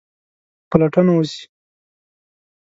پلټنه وسي.